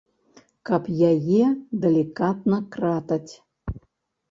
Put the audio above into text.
Каб яе далікатна кратаць.